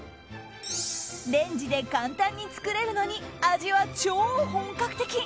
レンジで簡単に作れるのに味は超本格的。